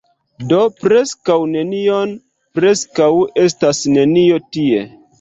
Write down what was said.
Do preskaŭ nenion... preskaŭ estas nenio tie.